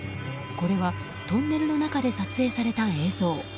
これはトンネルの中で撮影された映像。